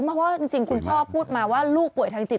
เพราะว่าจริงคุณพ่อพูดมาว่าลูกป่วยทางจิต